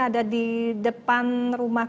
di depan rumah